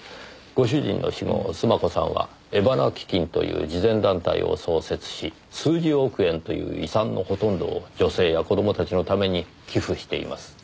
ご主人の死後須磨子さんは江花基金という慈善団体を創設し数十億円という遺産のほとんどを女性や子供たちのために寄付しています。